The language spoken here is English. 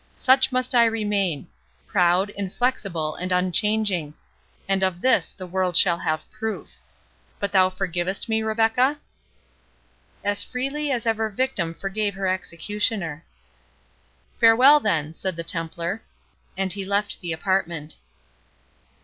Such must I remain—proud, inflexible, and unchanging; and of this the world shall have proof.—But thou forgivest me, Rebecca?" "As freely as ever victim forgave her executioner." "Farewell, then," said the Templar, and left the apartment.